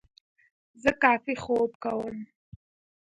زه کافي خوب کوم.